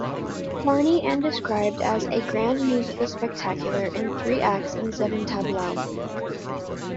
Farnie and described as "a Grand Musical Spectacular, in three acts and seven tableaux".